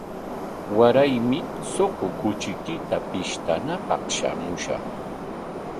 Waraymi suqu kuchiykita pishtanapaq shamushaq.